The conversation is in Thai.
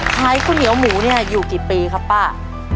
ข้าวเหนียวหมูเนี่ยอยู่กี่ปีครับป้า